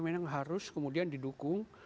memang harus kemudian didukung